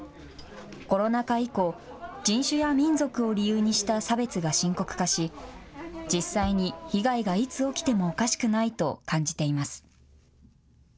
コロナ禍以降、人種や民族を理由にした差別が深刻化し実際に被害がいつ起きてもおかしくないと感じています。